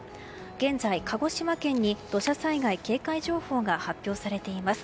現在、鹿児島県に土砂災害警戒情報が発表されています。